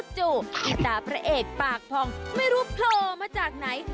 จู่อีตาพระเอกปากพองไม่รู้โผล่มาจากไหน